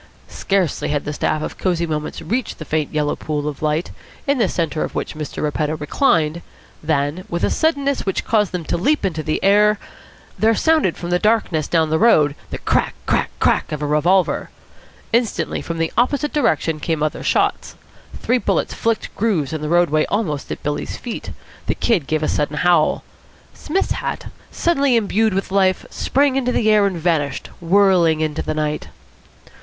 Scarcely had the staff of Cosy Moments reached the faint yellow pool of light, in the centre of which Mr. Repetto reclined, than, with a suddenness which caused them to leap into the air, there sounded from the darkness down the road the crack crack crack of a revolver. Instantly from the opposite direction came other shots. Three bullets flicked grooves in the roadway almost at Billy's feet. The Kid gave a sudden howl. Psmith's hat, suddenly imbued with life, sprang into the air and vanished, whirling into the night.